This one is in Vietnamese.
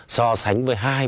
so sánh với